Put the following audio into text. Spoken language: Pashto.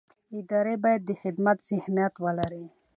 ادارې باید د خدمت ذهنیت ولري